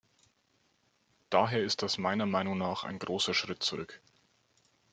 Daher ist das meiner Meinung nach ein großer Schritt zurück.